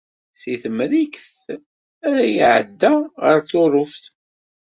Seg Temrikt ay iɛedda ɣer Tuṛuft.